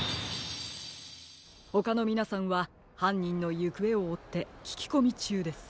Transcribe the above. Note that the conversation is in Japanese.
ほかのみなさんははんにんのゆくえをおってききこみちゅうです。